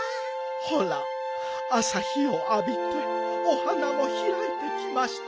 ほらあさ日をあびてお花もひらいてきましたわよ。